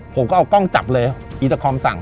ผมก็เอากล้องจับเลยอีตาคอมสั่ง